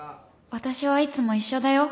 私はいつも一緒だよ